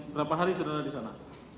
berapa hari saudara di sana